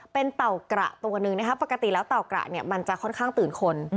เป็นเต่ากระตัวหนึ่งนะคะปกติแล้วเต่ากระเนี่ยมันจะค่อนข้างตื่นคน